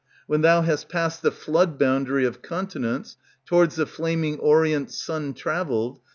When thou hast passed the flood boundary of continents, Towards the flaming orient sun traveled